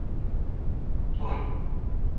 تۆی: